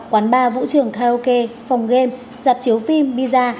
quán bar vũ trường karaoke phòng game giặt chiếu phim pizza